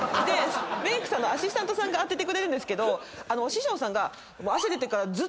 メークさんのアシスタントさんが当ててくれるんですけどお師匠さんが。